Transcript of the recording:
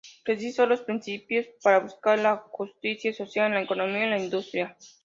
Precisó los principios para buscar la justicia social en la economía y la industria.